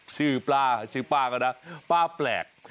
ชื่อป้าชื่อป้าก็นะป้าแปลก